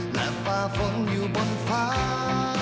และฟ้าฟ้องอยู่บนฟ้า